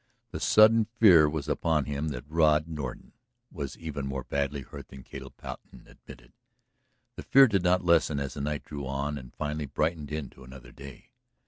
The sudden fear was upon him that Rod Norton was even more badly hurt than Caleb Patten admitted. The fear did not lessen as the night drew on and finally brightened into another day.